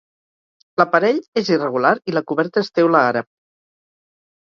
L'aparell és irregular i la coberta és teula àrab.